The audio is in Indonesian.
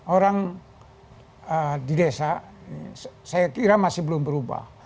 orang di desa saya kira masih belum berubah